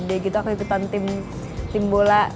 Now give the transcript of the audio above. aku ikutan tim bola